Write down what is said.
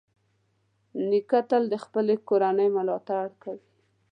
نیکه تل د خپلې کورنۍ ملاتړ کوي.